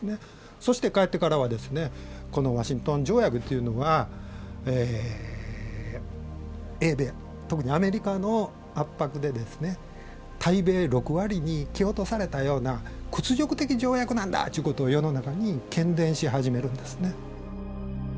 そして帰ってからはこのワシントン条約というのは英米特にアメリカの圧迫で対米６割に引き落とされたような屈辱的条約なんだという事を世の中に喧伝し始めるんですね。